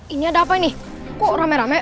ini ada apa ini kok rame rame